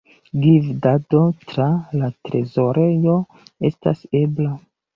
Gvidado tra la trezorejo estas ebla.